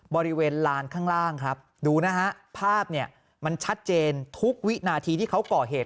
บริเวณลานข้างล่างครับดูนะฮะภาพเนี่ยมันชัดเจนทุกวินาทีที่เขาก่อเหตุ